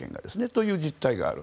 そういう実態がある。